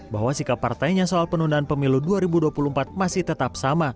bahwa sikap partainya soal penundaan pemilu dua ribu dua puluh empat masih tetap sama